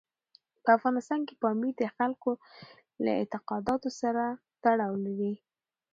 په افغانستان کې پامیر د خلکو له اعتقاداتو سره تړاو لري.